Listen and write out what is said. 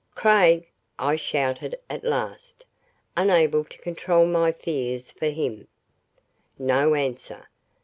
"Craig!" I shouted at last, unable to control my fears for him. No answer.